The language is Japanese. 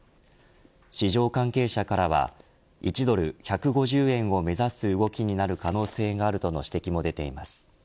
市場関係者からは１ドル１５０円を目指す動きになる可能性があるとの指摘も出ています。